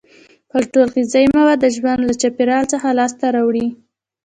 خپل ټول غذایي مواد د ژوند له چاپیریال څخه لاس ته راوړي.